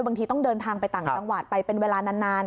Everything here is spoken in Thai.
บางทีต้องเดินทางไปต่างจังหวัดไปเป็นเวลานาน